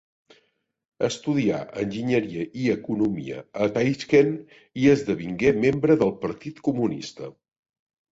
Estudià enginyeria i economia a Taixkent, i esdevingué membre del Partit Comunista.